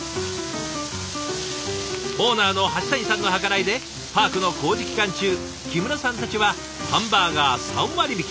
オーナーの橋谷さんの計らいでパークの工事期間中木村さんたちはハンバーガー３割引き。